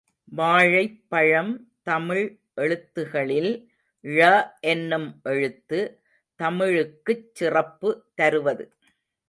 வாழைப்பழம் தமிழ் எழுத்துக்களில் ழ —என்னும் எழுத்து தமிழுக்குச் சிறப்பு தருவது.